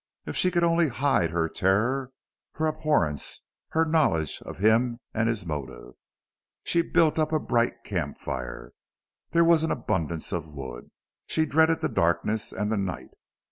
If she could only hide her terror, her abhorrence, her knowledge of him and his motive! She built up a bright camp fire. There was an abundance of wood. She dreaded the darkness and the night.